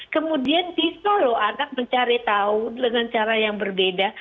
kemudian disoloh anak mencari tahu dengan cara yang berbeda